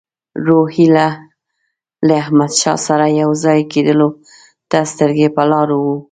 روهیله له احمدشاه سره یو ځای کېدلو ته سترګې په لار وو.